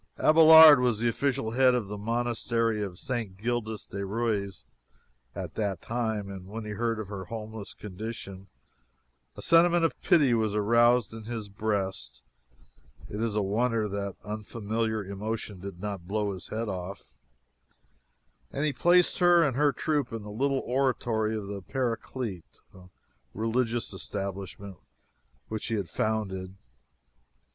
Abelard was the official head of the monastery of St. Gildas de Ruys, at that time, and when he heard of her homeless condition a sentiment of pity was aroused in his breast (it is a wonder the unfamiliar emotion did not blow his head off,) and he placed her and her troop in the little oratory of the Paraclete, a religious establishment which he had founded.